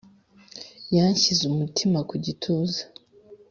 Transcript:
yanshyize umutima ku gituza,